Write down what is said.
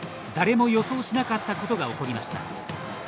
誰も予想しなかったことが起こりました。